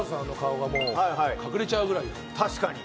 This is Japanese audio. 確かに。